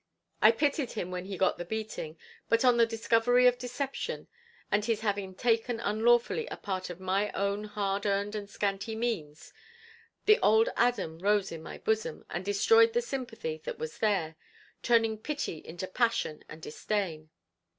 I pitied him when he got the beating, but on the discovery of deception, and his having taken unlawfully a part of my own hard earned and scanty means, the old Adam rose in my bosom, and destroyed the sympathy that was there, turning pity into passion and disdain.